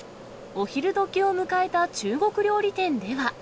お昼どきを迎えた中国料理店では。